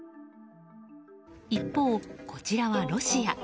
一方、こちらはロシア。